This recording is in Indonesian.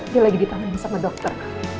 dia lagi ditangani sama dokter